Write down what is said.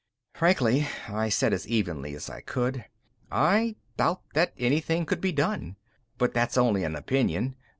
"Frankly," I said as evenly as I could, "I doubt that anything could be done. But that's only an opinion.